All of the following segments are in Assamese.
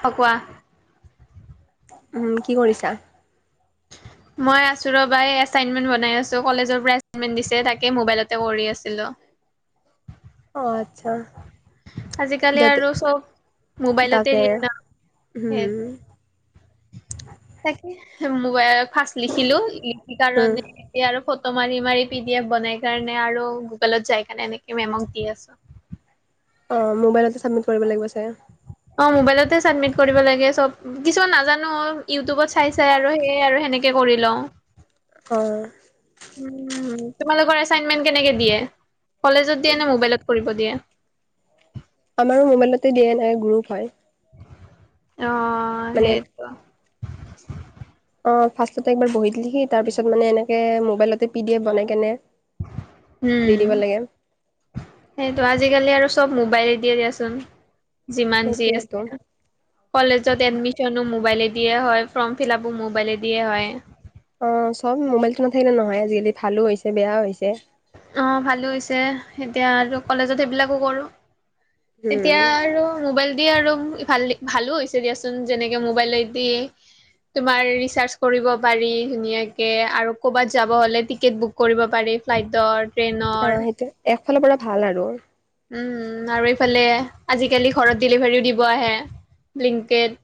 ফাকোৱা উম কি কৰিছা? মই আছো ৰবা এছাইনমেণ্ট বনাই আছো কলেজৰ পৰা দিছে তাকে মবাইলত ত কৰি আছিলো। অ আত্চ্ছা আজিকালি দেউতা আৰু চব মোবাইলতে তাকে দিয়ে ন সেই হোম তাকে মোবাইলত ফাৰ্ষ্ট লিখিলো লিখি উম, কাৰণে আৰু ফট- মাৰি মাৰি পিডি এফ বনাই কাৰণে আৰু গুগলত যাই কাৰণে এনেকে মেমক দি আছো। অ মোবাইলতে চাবমিট কৰিব লাগিব চাগে। অ মোবাইলতে চাবমিট কৰিব লাগে চব কিছুমান নেজানো অ চাই চাই আৰু সেইয় আৰু সেনেকে কৰি লওঁ অ', উম। তোমালোকৰ এাইনমেণ্ট কেনেকে দিয়ে কলেজত দিয়ে নে মোবাইলত কৰিব দিয়ে আমাৰো মোবাইলতে ড এন গ্ৰুপ হয়। অ মানে সেইটো অ ফাৰ্ষ একবাৰ বহি দিলিহি তাৰ পিছত মানে এনেকে মোবাইলতে পি ড এফ বনাই কেনে- দি উম দিব লাগে সেইটো আজিকালি আৰু চব মোবাইলে দিয়ে দিয়াচোন যিমান যি সেইটোৱেতো। আছে কলেজত এডমিচনো মোবাইলে। দিয়ে হয় ফৰ্ম ফিল আাপো মোবাইলে দিয়ে হয়। অ চব মোবাইলটো নাথাকিলে নহয় আজিকালি ভালো হৈছে বেয়াও হৈছে। অ ভালো হৈছে এতিয়া আৰু কলেজত সেইবিলাকো কৰোঁ। তেতিয়া উম। আৰু মোবাইল দিে আৰু ভাল ভালো হৈছে দিয়াচোন যেনেকে মোবাইলত দিয় তুমাৰ ৰিচাৰ্চ কৰিব পাৰি ধুনীয়াকে আৰু কৰবাত যাব হলে টিকেট বুক কৰিব পাৰি ফ্লাইটৰ অ ট্ৰেইনৰ সেইটো একফালৰ পৰা ভাল আৰু উম আৰু এইফালে আজিকালি ঘৰত ডেলিভাৰীও দিব আহে লিংকট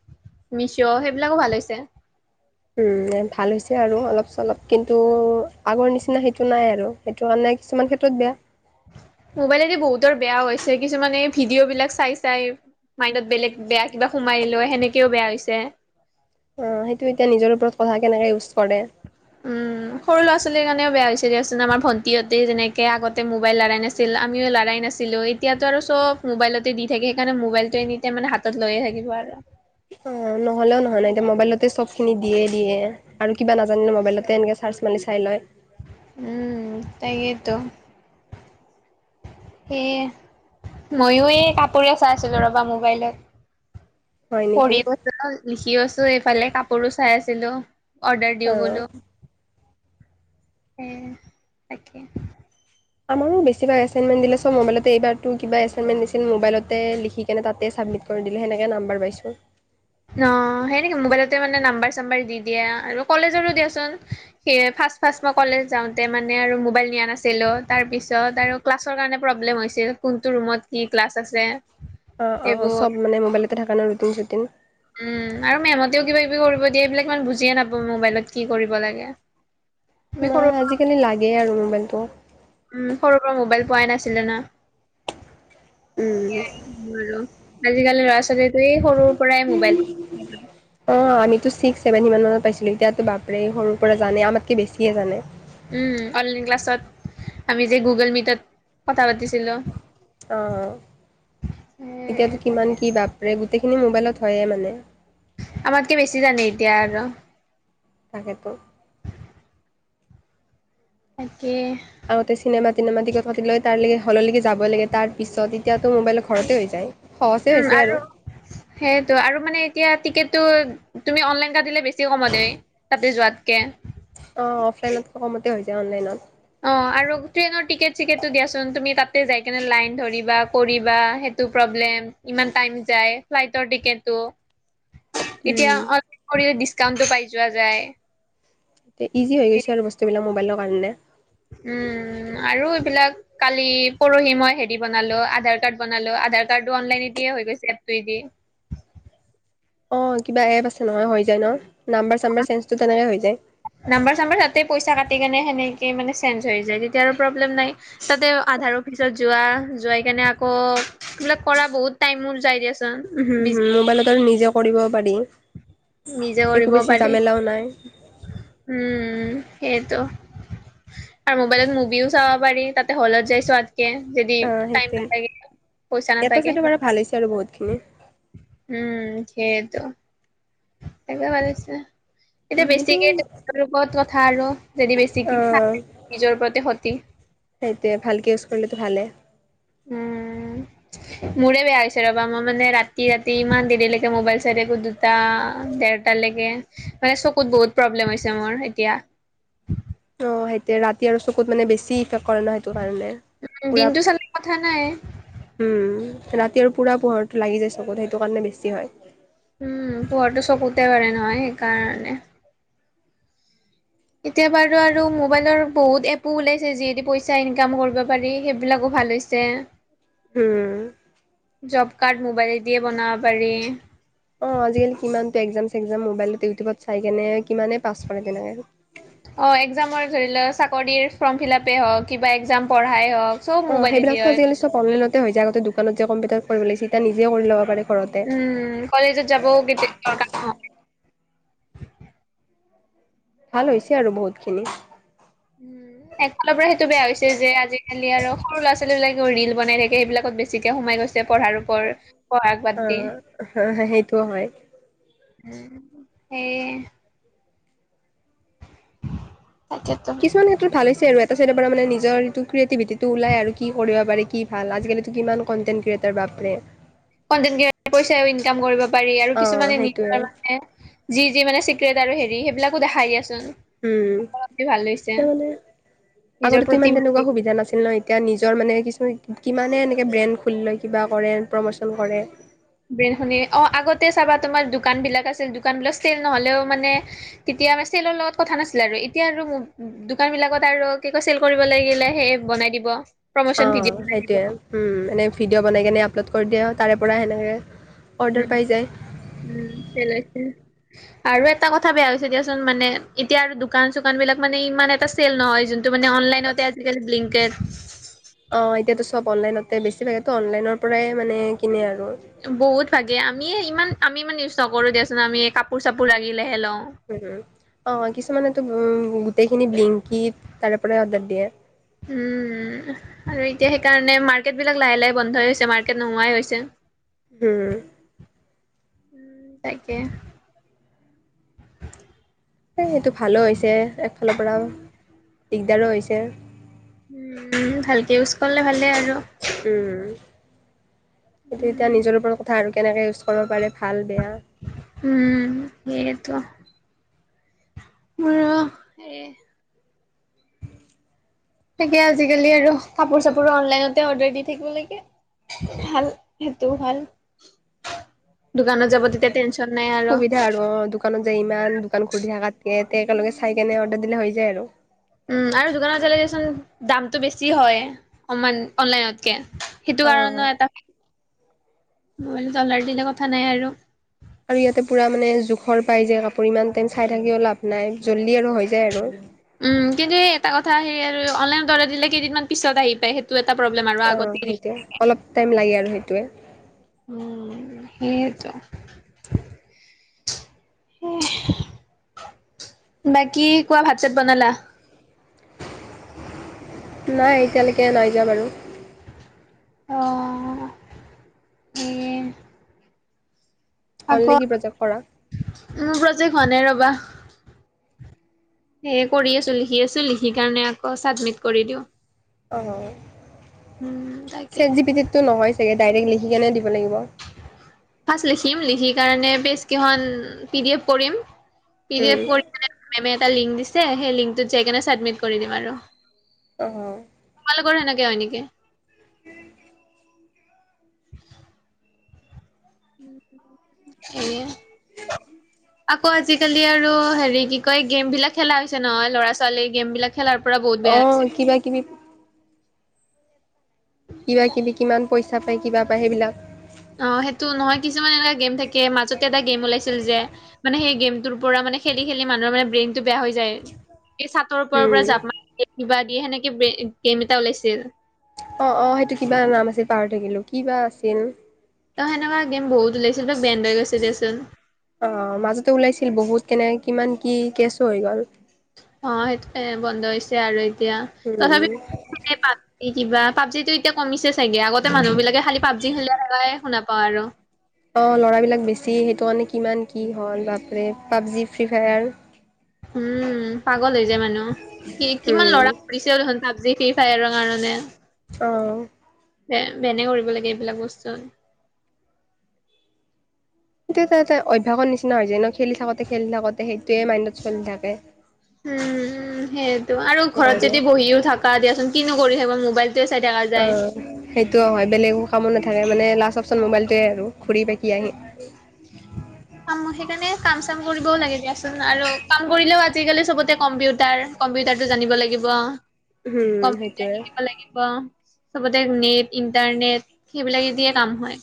মিছ' সেইবিলাকো ভাল হৈছে। উম ভাল হৈছে আৰু অলপ চলপ কিন্তু আগৰ নিচিনা সেইটো নাই আৰু সেইটো কাৰণে কিছুমান ক্ষেত্ৰত বেয়া। মোবাইলে এদি বহুতৰ বেয়া হৈছে কিছুমানে ভিডিঅ' বিলাক চাই চাই। মাইণ্ডত বেলেগ বেয়া কিবা সোমাই লৈ সেনেকেও বেয়া হৈছে। অ সেইটো এতিয়া নিজৰ ওপৰত কথা কেনেকে বস্তু উম সৰু ল'ৰা ছোৱালীৰ কাৰণেও বেয়া হৈ হৈছে দিয়কচোন আমাৰ ভণ্টিহঁতে যেনেকে আগতে মোবাইল লৰাাই নাছিল আমিও লৰাই নাছিল। এতিয়াতো আৰু চব মোবাইলতে দি থাকে সেইকাৰণে মোবাইলতটো এনি মানে হাতত লৈয়ে থাকিব আৰু অ নহলেও নহয় নাই এতিয়া মোবাইলতে চব খিনি দিয়ে দিয়ে আৰু কিবা নাজানিলে মবাইলতে চা পাচ মানি চাই লয়। উম তাকয়েইতো- স মইয়ো এই কাপোৰে চাই আছিলো। ৰবা মোবাইলত হয় নেকি পঢ়িওছো লিখিও আছো এইফালে কাপোৰো চাই আছিলো। অৰ্ডাৰ অ দিওঁ বোলো তাকে আমাৰ মনো চাবমিট কৰি দিলে সেনেকৈ নাম্বাৰ পাইছোঁ। অ সেই নেকি মোবাইলতে মানে নাম্বাৰ চাম্বাৰ দি দিয়া আৰু কলেজৰো দিয়াচোন স ফাৰ্ষট ফাৰ্ষ্ট মই কলেজ যাওঁতে মানে আৰু মোবাইল নিয়া নাছিলোঁ তাৰপিছত আৰু ক্লাছৰ কাৰণে প্ৰব্লেম হৈছিল। কোনটো ৰুমত কি ক্লাছ আছে। অ অ অ সেইবোৰ চব মানে মোবাইলতে থকা নাই ৰুটিন চুটিন উম আৰু মেমতেও কিবা কিবি কৰিব দিয়ে এইবিলাক ইমান বুজিয়ে নাপাওঁ মোবাইলত কি কৰিব লাগে। আমি সৰু নাই আজিকালি লাগেই আৰু মোবাইলটো সৰুৰ পৰা মোবাইল পোৱাই নাছিলে না উম আৰু আজিকালি ল'ৰা ছোৱালীটো এই সৰুৰ পৰাই মোবাইল চ মান পাইছে। এতিয়াতো বাপেৰে সৰুৰ পৰা জানে আমাতকে বেছিহে জানে। উম, অনলাইন ক্লাছত আমি যে গুগল মিটত‌ কটা পাতিছ- অ এ এতিয়াতো তাকে কিমান কি বাপৰে গোটেইখিনি মোবাইলত হয়ে মানে। আমাতকে বেছি জানে এতিয়া আৰু। তাকেতো। তাকে। আগতে চিনেমা টিনেমা টিকট পাতি লৈ তালেকে হললেকে যাব লাগে। তাৰ পিছত এতিয়াতো মোবাইল ঘৰতে হৈ যায় সহছে হৈছে আৰু। সেইয়েতো আৰু মানে এতিয়া টিকেট- তু তুমি অনলাইন কাটিলে বেছি কম দেই তাতে যোৱাতকে। অ অফলাইনত কমতে হৈ যায় অনলাইনত। অ', আৰু গোটেইনৰ টিকেট চিকেটটো দিয়া চোন তুমি তাতে যায় কিনে লাইন ধৰিবা কৰিবা সেটো প্ৰবলেম। লেম ইমান টাইম যায় ফ্লাইটৰ টিকেটটো- এতিয়া উম অনলাইন কৰিলে ডিচ্কাউন্টো পাই যোৱা যায়। এ ইজি হৈ গৈছে আৰু বস্তুবিলাক মোবাইলৰ কাৰণে। উম আৰু এইবিলাক কালি পৰহি মই হেৰি বনালো আধাৰ কাৰ্ড বনালো- আধাৰ কাৰ্ডটো অনলাইনে দিয়ে হৈ গৈছে এপটোৱে দি। অ কিবা এপ আছে নহয় হৈ যায় ন নাম্বাৰ চাম্বাৰ চেঞ্জটো তেনেকে হৈ যায়। নাম্বাৰ চাম্বাৰ তাতেই পইচা কাটি কেনে সেনেক তেই মানে চেঞ্জ হৈ যায় তেতিয়া আৰু প্ৰব্লেম নাই তাতে আধাৰ অফিচত যোৱা যোৱাই কেনে আকৌ এইবিলাক কৰা বহুত টাইমোৰ যাই গেছ। উ হুম হুম মোবাইলত আৰু নিজে কৰিব পাৰি। নিজে কৰিব একো বেছি পাৰি জামেলাও নাই। উম সেইটো। আৰু মোবাইলত মুভিও চাব পাৰি তাতে হলত যাইছো। কে যদি অ' টাইম সেইটোৱে। নাপাই পইচা এটা নাথাকে। চাইডৰ পৰা ভাল হৈছে আৰু বহুতখিনি। উম সেইতো একে ভাল আছে। এতিয়া উম সেইটো বেছিকে তেৰ লগত কথা আৰু যদি বেছিকে অ' চাই নিজৰ ওপৰতে খতি। সেইটোৱে ভালকে ইউজ কৰিলেটো ভালে। [unintelligible] উম মোৰে বেয়া হৈছে ৰবা মই মানে ৰাতি ৰাতি ইমান দেৰিলেকে মোবাইল চাই থাকো দুটা দেৰটালেকে মানে চকুত বহুত প্ৰব্লেম হৈছে মোৰ এতিয়া। [unintelligible] অ হেতে ৰাতি আৰু চকুত মানে বেছি কৰে ন সেইটো কাৰণে পুৰা দিনটো চালে কথা নাই উম। ৰাতি আৰু পুৰা পোহৰটো লাগি যায় চকুত সেইটো কাৰণে বেছি হয়। উম পুহৰটো চকুতে ধৰে নহয় সেইকাৰণে। এতিয়া বাৰু আৰু মোবাইলৰ বহুত এপো ওলাইছে যিহেদি পইচা ইনকাম কৰিব পাৰি। সেইবিলাকো ভাল হৈছে। হুম। জব কাৰ্ড মোবাইল দিয়ে বনাব পাৰি। অ আজিকালি কিমান টএকজাম চেগ্জাম মোবাইলত ইউটিউবত চাই কেনে কিমানে পাছ কৰে তেনেকে। অ এক্সামৰ ধৰি ল চাকৰিৰ ফৰ্ম ফিলাপেই হওক কিবা এক্জাম পঢ়াই হওক। চব অঁ মোবাইলে দি সেইবিলাকটো হয় আজিকালি চব অনালাইনতে হৈ যায় আগতে দোকানত যে কম্পিটাৰত কৰিব লাগিছি এতিয়া নিজে কৰি ল'ব পাৰে। ঘৰতে। উম কলেজত যাবও কেতি দৰকা নহ। ভাল হৈছে আৰু বহুত খিনি। উম। একফালৰ পৰা সেইটো বেয়া হৈছে যে আজিকালি আৰু সৰু ল'ৰা ছোৱালী বিলাকেও ৰিল বনাই থাকে সেইবিলাকত বেছিকে সোমাই। হৈছে পঢ়াৰ ওপৰ। পঢ়াক বাদ অ দি হ সেইটো হয়। উম সেইয়ে। তাকেতো কিছুমান ক্ষেত্ৰত ভাল হৈছে আৰু এ [inaudible] তাৰপিছতে পৰা মানে নিজৰ যটো ক্ৰিয়েটিভিটিটো ওলায় আৰু কি কৰিব পাৰে কি ভাল আজিকালিতো কিমান কণ্টেণ্ট ক্ৰিয়েটাৰ ভাব ৰে - খন যেনকে কৈছে আৰু ইনকাম কৰিব পাৰি আৰু অ' কিছুমানে সেইটোয়ে নিজৰ মানে যি যি মানে চিক ট্ৰেট আৰু হেৰি সেইবিলাকো দেখাই দি আছে উম এতিয়া মানে নিজৰ আগতেটো ইমান প্ৰতিভা তেনেকুৱা সুবিধা নাছিল ন এতিয়া নিজ নিজৰ মানে কিছুমান কিমানে এনেকে ব্ৰেণ্ড খুলি লয় কিবা কৰে প্ৰমোচন কৰে ব্ৰেণ্ড খুলি অ আগতে চাবা তোমাৰ দোকানবিলাক আছিল দোকানবিলাক ছেইল নহলেও মানে এতিয়া আমি চেলৰ লগত কথা নাছিলে আৰু এতিয়া আৰু দোকানবিলাকত আৰু কি কয় চেল কৰিব লাগিলে সেই বন বনাই দিব প্ৰমোচন অঁ ভিডিঅ' বনাই দিব সেইটোৱেই হুম এনেই ভিডিঅ' বনাই কেনে আপলোড কৰি দিয়ে তাৰে পৰা সেনেকে অৰ্ডাৰ উম পাই যায় উম পেলাইছে আৰু এটা কথা বেয়া হৈছে দিয়াচোন মানে এতিয়া আৰু দোকান-চোকানবিলাক মানে ইমান এটা চেল নহয় যোন যিটো মানে অনলাইনতে আজিকালি ব্লিংকেড অ এতিয়াতো চব অনলাইনতে বেছি ভাগো অনলাইনৰ পৰাই মানে কিনে আৰু বহুত ভাগে আমি ইমান আমি ইমান ইউজ নকৰো দিয়াচোন আমি কাপোৰ-চাপোৰ লাগিলেহে লওঁ উম-উম অ কিছুমানেতো উম গোটেইখিনি বিলিংকি তাৰে পৰাই অৰ্ডাৰ দিয়ে উম উম আৰু এতিয়া সেইকাৰণে মাৰ্কেটবিলাক লাহে-লাহে বন্ধই হৈছে মাৰ্কেট নোহোৱাই হৈছে উম, তাকে সেইটো ভালো হৈছে একফালৰ পৰা দিগদাৰো হৈছে উম ভালকে ইউজ কৰিলে ভালে আৰু উম কিন্তু এতিয়া উম নিজৰ ওপৰত কথা আৰু কেনেকে ইউজ কৰিব পাৰে ভাল বেয়া। উম সেইটো মোৰো এ তাকে আজিকালি আৰু কাপোৰ-চাপোৰো অনলাইনতে অৰ্ডাৰ দি থাকিব লাগে ভাল সেইটোও ভাল দোকানত যাব তেতিয়া টেনচন নাই সুবিধা আৰু অ দোকানত যাই ইমান দোকান খুলি থকাতকে তে একেলগে চাই কেনে অৰ্ডাৰ দিলে হৈ যায় আৰু [inaudible] উম আৰু দোকানত চালে দেচোন দামটো বেছি হয় সমান অনলাইনতকে [unintelligible] সেইটো কাৰণেও অ'। এটা জলাৰ দিলে কথা নাই আৰু খৰ পাই যে কাপোৰ ইমান টাইম চাই থাকিও লাভ নাই জল্দি আৰু হৈ যায় আৰু উম কিন্তু এটা কথা হেৰি আৰু অনলাইন দৰে দিলে কেইদিনমান পিছত আহি পায় সেই অঁ সেইটোৱেই অলপ টাইম লাগে আৰু সেইটোৱেই উম সেয়ে টো হে বাকী কোৱা ভাত চাত বনালা? নাই এতিয়ালৈকে নাই যাম আৰু অঁ সেইয়ে হ'ল আকৌ নেকি প্ৰজেক্ট কৰা? প্ৰজেক্ট হোৱা নাই ৰ'বা সেইয়ে কৰি আছো লিখি আছো লিখি কাৰণে আকৌ চাবমিট কৰি দিওঁ অ উম, তাকে। চেট জি পিটিতটো নহয় চাগে ডাইৰেক্ট লিখি কেনে দিব লাগিব। ফাৰ্ষ্ট লিখিম লিখি কাৰণে প্ৰেইজ কেইখন পিডিএফ কৰিম উম পিডিএফ কৰি কিনে মেমে এটা লিংক দিছে সেই লিংকটোত যাই কিনে চাবমিট কৰি দিম আৰু আহ তোমালোকৰ সেনেকে হয় নেকি? [unintelligible] এ উ আকৌ আজিকালি আৰু হেৰি কি কয় গেম বিলাক খেলা হৈছে নহয় ল'ৰা ছোৱালী গেম বিলাক খেলাৰ পৰা বহুত অ অ বেয়া আছে কিবা কিবি কিবা কিবি কিমান পইচা পায় কিবা পায় সেইবিলাক অ সেইটো নহয় কিছুমান এনেকোৱা গেম থাকে মাজতে এটা গেম ওলাই যে মানে সেই গেমটোৰ পৰা মানে খেলি খেলি মানুহৰ মানে ব্ৰেইনটো বেয়া হৈ যায়। এই চাটৰ ওপৰ পৰা উম জাপ মাৰে কিবা দিয়ে সেনেকে গেম এটা ওলাইছিল। অ অ সেইটো কিবা নাম আছিল পাৰ থাকিলো কিবা আছিল। ত সেনকা আ গেম বহুত ওলাইছিল ত বেণ্ড হৈ গৈছে দেচোন অ মাজতে ওলাইছিল বহুত কেনে কিমান কি কেচ হৈ গ'ল। অ সেইটোকে বন্ধ হৈছে আৰু এতিয়া তথাপি উম প কিবা পাবজিো এতিয়া কমিছে চাগে আগতে মানুহ বিলাকে খালি পাবজি খেলাই শুনা পাওঁ আৰু অ ল'ৰাবলাক বেছি সেইটো মানে কিমান কি হল বাপ পাবজি ফ্ৰী ফায়াৰ উম পাগল হৈ যায় মানুহ কি কিমান উম ল'ৰা কৰিছে হল পাবজি ফ্ৰী ফায়াৰত কাৰণে আহ ব বেনে কৰিব লাগে এইবিলাক বস্তু। তে এটা অভ্যাসৰ নিচিনা হৈ য ন খেলি থাকোতে খেলি থাকোতে সেইটোয়ে মাইণ্ডত চলি থাকে। উম উ সেইটো আৰু সেইটো ঘৰত কাৰণে যদি বহিও থাকা দিয়াচোন কিনো কৰি থাকিব মোবাইল অ সেইটোও হয় বেলেগো কামো নাথাকে মানে লাষ্ট অপচন মোবাইলটোৱে আৰু ঘূৰি পাকি আহি সেইকাৰণে কাম চাম কৰিবও লাগে দিয়া চোন আৰু কাম কৰিলেও আজিকালি চবতে কম্পিউটাৰ কম্পিউটাৰ টো জানিব লাগিব। উম, কম্পিউটাৰ সেইটোৱে শিকিব লাগিব। চবতে নেট ইণ্টাৰনেট সেইবিলাকে দিয়ে কাম হয়।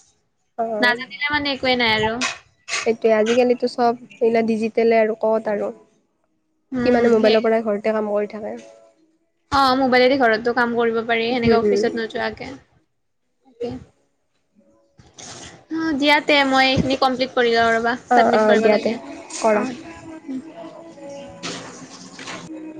অ দিলে মানে একোৱেই নাই আৰু টো চব এইলাক ডিজিটলে আৰু ক'ত আৰু কি উম, মানে সেই মোবাইলৰ পৰাই ঘৰতে কাম কৰি। থাক অ মোবাইলেদি ঘৰতটো কাম কৰিব পাৰি সেনেকে উম, উম, অফিচত নোযোৱাকে তাকে অ দিয়াত মই এইখিনি কমপ্লিত কৰি লও ৰবা অ', চাবমিত অ', কৰিব দিয়া লাগ তে কৰা। [unintelligible]